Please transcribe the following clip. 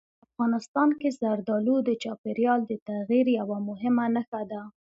افغانستان کې زردالو د چاپېریال د تغیر یوه مهمه نښه ده.